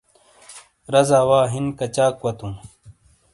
رازا وا ہن کچاک وتوں؟